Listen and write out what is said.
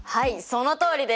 そのとおりです！